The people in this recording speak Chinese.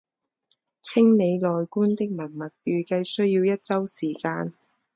清理内棺的文物预计需要一周时间。